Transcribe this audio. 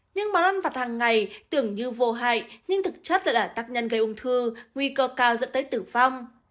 nhưng món ăn vặt hàng ngày tưởng như vô hại nhưng thực chất là tác nhân gây ung thư nguy cơ cao dẫn tới tử vong